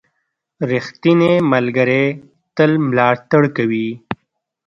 • ریښتینی ملګری تل ملاتړ کوي.